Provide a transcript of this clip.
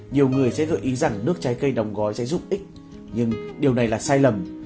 nhiều người sẽ gợi ý rằng nước trái cây đóng gói sẽ giúp ích nhưng điều này là sai lầm